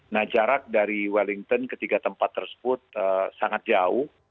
nah jarak dari wellington ketiga tempat tersebut sangat jauh